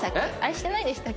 してないでしたっけ？